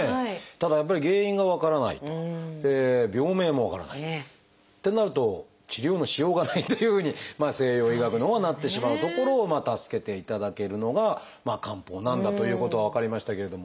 ただやっぱり原因が分からないと病名も分からないってなると治療のしようがないというふうに西洋医学のほうはなってしまうところを助けていただけるのが漢方なんだということは分かりましたけれども。